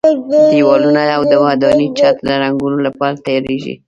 دېوالونه او د ودانۍ چت د رنګولو لپاره تیاریږي.